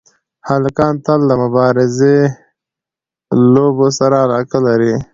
هلکان تل د مبارزې لوبو سره علاقه لري.